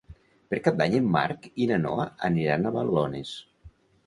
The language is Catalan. Per Cap d'Any en Marc i na Noa aniran a Balones.